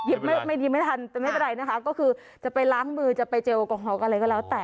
ไม่ดีไม่ทันแต่ไม่เป็นไรนะคะก็คือจะไปล้างมือจะไปเจลแอลกอฮอลอะไรก็แล้วแต่